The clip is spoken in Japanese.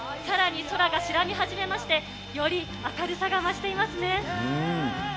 さらに空が白みはじめまして、より明るさが増していますね。